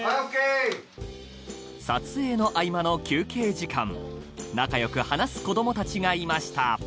撮影の合間の休憩時間仲良く話す子供たちがいました